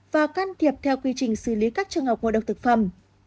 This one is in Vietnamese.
và can thiệp theo quy trình xử lý các trường học ngôi đốc thực phẩm